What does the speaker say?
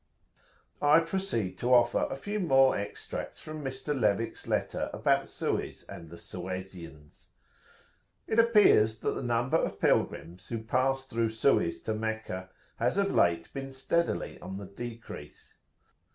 I proceed to offer a few more extracts from Mr. Levick's letter about Suez and the Suezians. "It appears that the number of pilgrims who pass through Suez to Meccah has of late been steadily on the decrease.